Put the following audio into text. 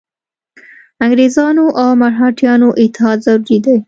انګرېزانو او مرهټیانو اتحاد ضروري دی.